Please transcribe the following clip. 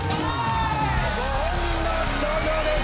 ご本人の登場です！